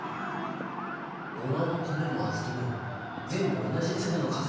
ゴマも米も小豆も全部同じ粒の数になった！